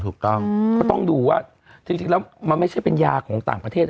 ถูกต้องก็ต้องดูว่าจริงแล้วมันไม่ใช่เป็นยาของต่างประเทศ